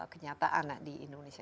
kenyataan di indonesia